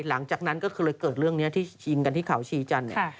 หลังจากนั้นก็คือเลยเกิดเรื่องนี้ที่ชิงกันที่เขาชีจันทร์เนี่ย